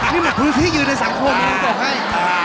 นี่มันพื้นที่ยืนในสังคมที่ผมบอกให้